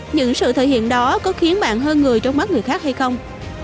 những sự thể hiện đó có khiến bạn hơn người trong mắt người khác hay không